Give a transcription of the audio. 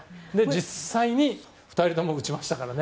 実際に２人とも打ちましたから。